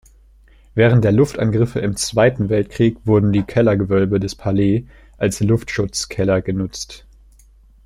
Während der Luftangriffe im Zweiten Weltkrieg wurden die Kellergewölbe des Palais als Luftschutzkeller genutzt.